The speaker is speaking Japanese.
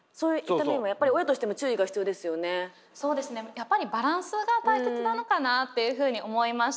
やっぱりバランスが大切なのかなっていうふうに思いました。